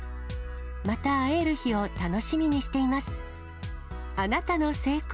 また会える日を楽しみにしています。